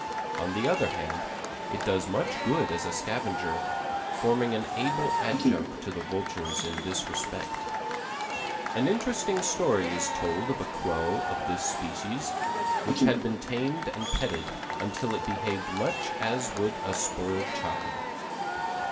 On the other hand, it does much good as a scavenger, forming an able adjunct to the vultures in this respect. An interesting story is told of a Crow of this species which had been tamed and petted until it behaved much as would a spoiled child.